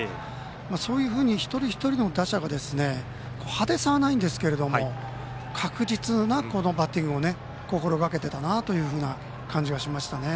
そういうふうに一人一人の打者が派手さはないんですけど確実なバッティングを心がけてたなというふうな感じがしましたね。